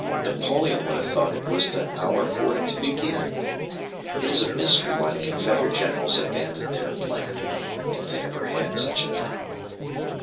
Napoleon would have thought it was the hour for it to begin. It is a mystery why the Confederate generals abandoned their plan if they ever had such a plan.